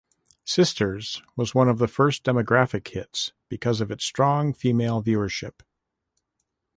"Sisters" was one of the first 'demographic' hits because of its strong female viewership.